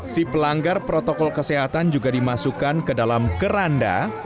si pelanggar protokol kesehatan juga dimasukkan ke dalam keranda